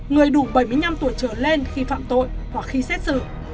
người đủ bảy mươi năm tuổi trở lên khi phạm tội hoặc khi xét xử